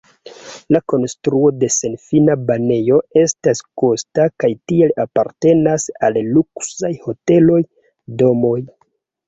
La konstruo de senfina banejo estas kosta kaj tiel apartenas al luksaj hoteloj, domoj.